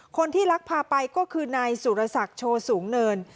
คนที่ลักพาไปก็คือนายสุรศักดิ์โชว์สูงเนิน